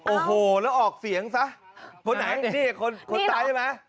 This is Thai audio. โอ้โหแล้วออกเสียงซะคนไหนนี่คนตายใช่ไหม